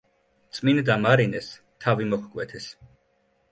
წმინდა მარინეს თავი მოჰკვეთეს.